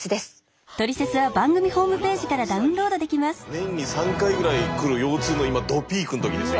年に３回ぐらい来る腰痛の今どピークの時ですよ